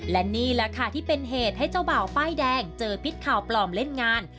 และนี่แหละค่ะที่เป็นเหตุให้เจ้าบ่าวป้ายแดงเจอพิษข่าวปลอมเล่นงาน